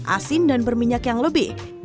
asin dan berminyak yang lebih